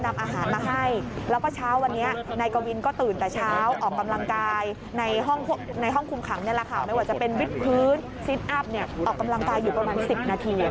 ไม่ว่าจะเป็นวิดพื้นซีนอัพออกกำลังกายอยู่ประมาณ๑๐นาที